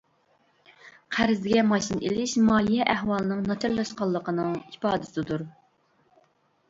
قەرزگە ماشىنا ئېلىش مالىيە ئەھۋالىنىڭ ناچارلاشقانلىقىنىڭ ئىپادىسىدۇر.